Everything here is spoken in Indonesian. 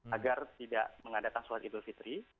agar tidak mengadakan sholat idul fitri